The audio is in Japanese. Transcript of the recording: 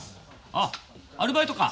あっアルバイトか。